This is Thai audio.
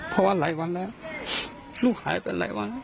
เพราะว่าหลายวันแล้วลูกหายไปหลายวัน